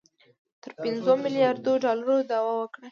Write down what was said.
تر پنځو میلیاردو ډالرو دعوه وکړي